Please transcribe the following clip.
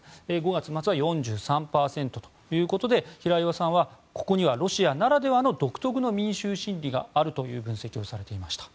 ５月末は４３％ということで平岩さんはここにはロシアならではの独特の民衆心理があるという分析をされていました。